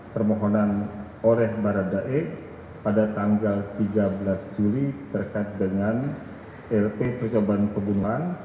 permohonan oleh baradae pada tanggal tiga belas juli terkait dengan lp percobaan pembunuhan